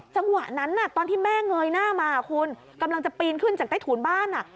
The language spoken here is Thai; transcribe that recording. จังหวะนั้นตอนที่แม่เงยหน้ามาคุณกำลังจะปีนขึ้นจากใต้ถูนบ้าน